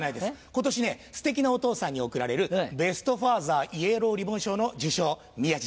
今年ねステキなお父さんに贈られるベスト・ファーザーイエローリボン賞の受賞宮治です。